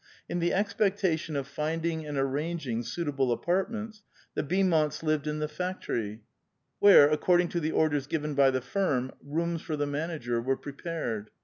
In the expectation of finding and arranging suitable apartments, the Beaumonts lived in the factory, where, ac cording to the orders given by the firm, rooms for the man ager were prepared.